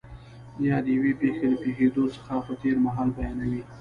یا د یوې پېښې له پېښېدو څخه په تېر مهال بیانوي.